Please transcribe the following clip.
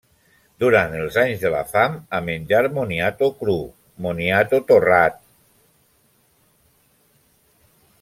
Durant els anys de la fam a menjar moniato cru, moniato torrat…